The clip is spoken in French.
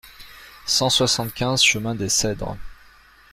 cent soixante-quinze chemin des Cedres